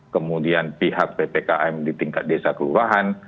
kemudian pihak ppkm di tingkat desa kelurahan